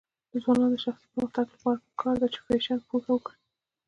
د ځوانانو د شخصي پرمختګ لپاره پکار ده چې فیشن پوهه ورکړي.